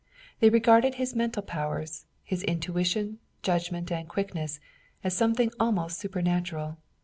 They regarded his mental powers, his intuition, judgment and quickness as something almost supernatural.